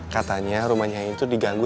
katanya rumahnya itu diganggu